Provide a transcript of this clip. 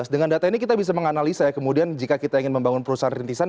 dengan data ini kita bisa menganalisa ya kemudian jika kita ingin membangun perusahaan rintisan